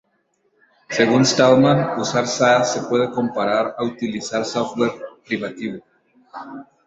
Según Stallman, usar SaaS se puede comparar a utilizar software privativo.